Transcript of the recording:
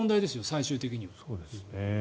最終的には。